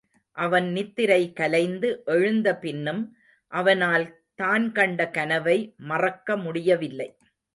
அவன் நித்திரை கலைந்து எழுந்த பின்னும் அவனால் தான் கண்ட கனவை மறக்க முடியவில்லை.